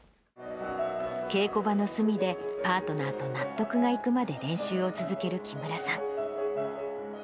稽古場の隅で、パートナーと納得がいくまで練習を続ける木村さん。